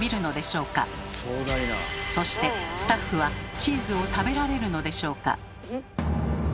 そしてスタッフはチーズを食べられるのでしょうか？